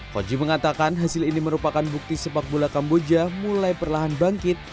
koji mengatakan hasil ini merupakan bukti sepak bola kamboja mulai perlahan bangkit